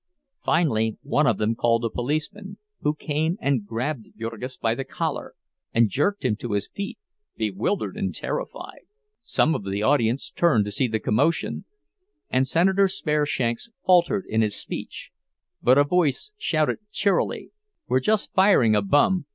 Finally one of them called a policeman, who came and grabbed Jurgis by the collar, and jerked him to his feet, bewildered and terrified. Some of the audience turned to see the commotion, and Senator Spareshanks faltered in his speech; but a voice shouted cheerily: "We're just firing a bum!